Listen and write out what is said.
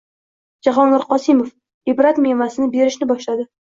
Jahongir Qosimov: «Ibrat» mevasini berishni boshlading